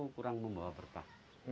gunung membawa berkah